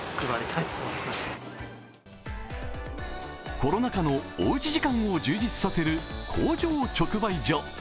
コロナ禍のおうち時間を充実させる工場直売所。